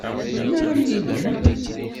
Melmi ara mlilent?